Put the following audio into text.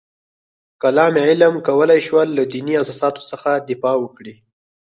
کلام علم کولای شول له دیني اساساتو څخه دفاع وکړي.